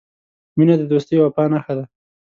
• مینه د دوستۍ او وفا نښه ده.